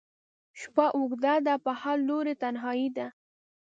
شپه اوږده ده په هر لوري تنهایي ده